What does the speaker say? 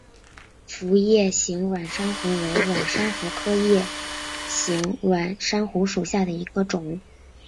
辐叶形软珊瑚为软珊瑚科叶形软珊瑚属下的一个种。